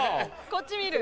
こっち見る。